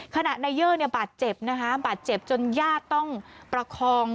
ขณะนายเยอร์เนี่ยบาดเจ็บนะคะบาดเจ็บจนญาติต้องประคอง